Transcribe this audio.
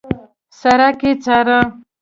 سړک يې څاره.